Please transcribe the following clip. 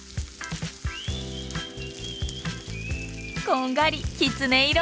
こんがりきつね色。